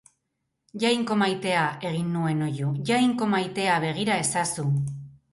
Jainko maitea, egin nuen oihu, Jainko maitea, begira ezazu.